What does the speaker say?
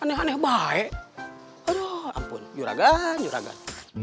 aneh aneh baik aduh ampun juragan juragan